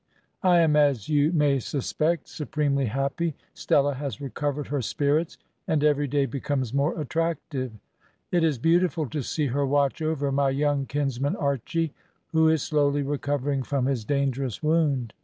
I am, as you may suspect, supremely happy. Stella has recovered her spirits, and every day becomes more attractive. It is beautiful to see her watch over my young kinsman Archy, who is slowly recovering from his dangerous wound.